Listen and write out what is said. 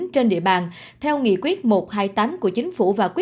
trên địa bàn theo nghị quyết một trăm hai mươi tám của chính phủ